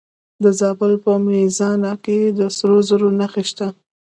د زابل په میزانه کې د سرو زرو نښې شته.